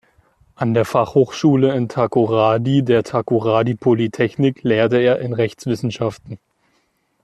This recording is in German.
An der Fachhochschule in Takoradi, der Takoradi Polytechnic, lehrte er in Rechtswissenschaften.